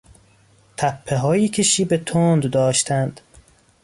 تپههایی که شیب تند داشتند